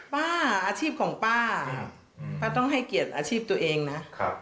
อาชีพของป้าป้าต้องให้เกียรติอาชีพตัวเองนะ